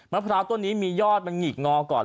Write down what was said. พร้าวต้นนี้มียอดมันหงิกงอก่อน